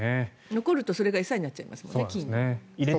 残るとそれが餌になっちゃいますもんね。